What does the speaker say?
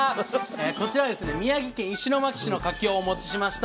こちらはですね宮城県石巻市のかきをお持ちしました。